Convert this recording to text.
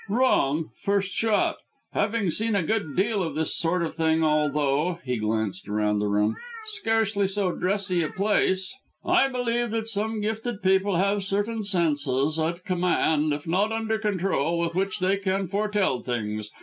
"Wrong, first shot. Having seen a good deal of this sort of thing; although," he glanced round the room, "scarcely so dressy a place, I believe that some gifted people have certain senses at command, if not under control, with which they can foretell things.